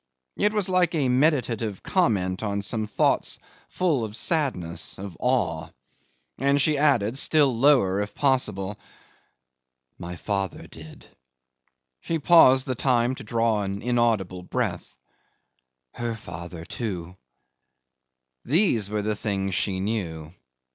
It was like a meditative comment on some thoughts full of sadness, of awe. And she added, still lower if possible, "My father did." She paused the time to draw an inaudible breath. "Her father too." ... These were the things she knew!